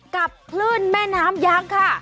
กับคลื่นแม่น้ำยั้งค่ะ